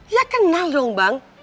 ya kenal dong bang